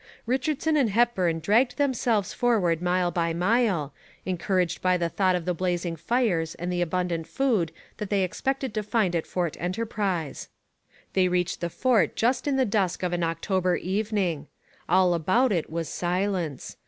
Richardson and Hepburn dragged themselves forward mile by mile, encouraged by the thought of the blazing fires and the abundant food that they expected to find at Fort Enterprise. They reached the fort just in the dusk of an October evening. All about it was silence.